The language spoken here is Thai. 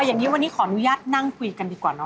อย่างนี้วันนี้ขออนุญาตนั่งคุยกันดีกว่าเนอ